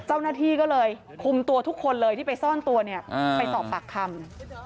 เจ้าหน้าที่ก็เลยคุมตัวทุกคนเลยที่ไปซ่อนตัวเนี่ยไปสอบปากคำ